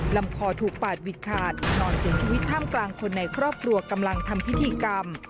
ลำคอถูกปาดวิดขาดนอนเสียชีวิตท่ามกลางคนในครอบครัวกำลังทำพิธีกรรม